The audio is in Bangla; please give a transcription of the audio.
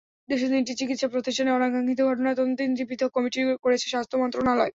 দেশের তিনটি চিকিত্সাপ্রতিষ্ঠানে অনাকাঙ্ক্ষিত ঘটনা তদন্তে তিনটি পৃথক কমিটি করেছে স্বাস্থ্য মন্ত্রণালয়।